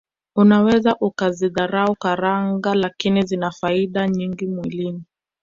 Unaweza ukazidharau karanga lakini zina faida nyingi mwilini